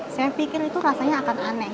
saya pikir itu rasanya akan aneh